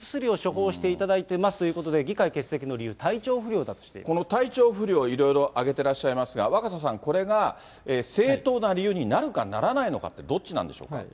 現在は医療機関に通い、お薬を処方していただいてますということで、議会欠席の理由、この体調不良、いろいろ挙げてらっしゃいますが、若狭さん、これが正当な理由になるかならないのか、どっちなんでしょうか。